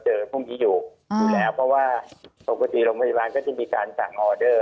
ดูแลเพราะว่าปกติโรงพยาบาลก็จะมีการสั่งออเดอร์